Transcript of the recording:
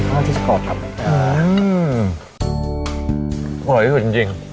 ครับข้าวที่จะกรอบครับอืมอร่อยสุดจริงจริง